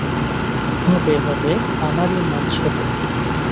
হবে, হবে, আমারই মন ছোটো।